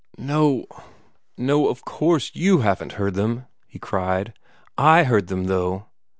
"No, of course, YOU haven't heard them!" he cried. "I heard them, though!"